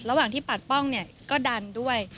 ระหว่างที่ปัดป้องเนี่ยก็ดันด้วย